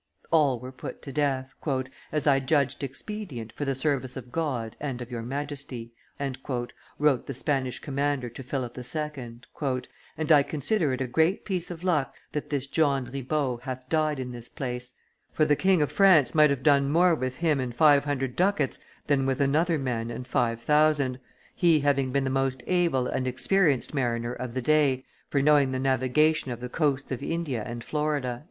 All were put to death, "as I judged expedient for the service of God and of your Majesty," wrote the Spanish commander to Philip II.," and I consider it a great piece of luck that this John Ribaut hath died in this place, for the King of France might have done more with him and five hundred ducats than with another man and five thousand, he having been the most able and experienced mariner of the day for knowing the navigation of the coasts of India and Florida."